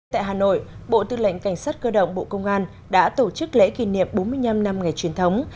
tại hà nội bộ tư lệnh cảnh sát cơ động bộ công an đã tổ chức lễ kỷ niệm bốn mươi năm năm ngày truyền thống